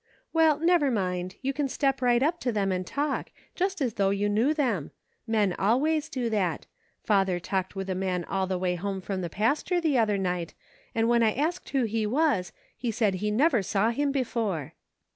" Well, never mind ; you can step right up to them and talk, just as though you knew them. Men always do that. Father talked with a man 12 EIGHT AND TWELVE. all the way home from the pasture, the other night, and when I asked who he was, he said he never saw him before."